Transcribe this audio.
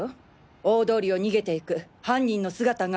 大通りを逃げていく犯人の姿が。